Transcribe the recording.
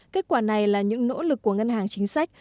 kết quả này là những nỗ lực của ngân hàng chính sách